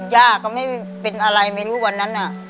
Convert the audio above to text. ย่าก็ไม่เป็นอะไรไม่รู้วันนั้น